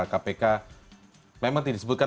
kpk memang tidak disebutkan